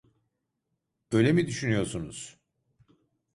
Öyle mi düşünüyorsunuz?